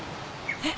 えっ？